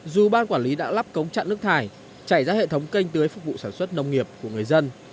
dù ban quản lý đã lắp cống chặn nước thải chảy ra hệ thống canh tưới phục vụ sản xuất nông nghiệp của người dân